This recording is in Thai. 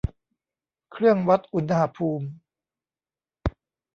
เครื่องวัดอุณหภูมิ